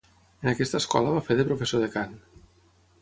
En aquesta escola va fer de professor de cant.